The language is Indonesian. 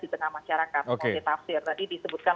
di tengah masyarakat multitafsir tadi disebutkan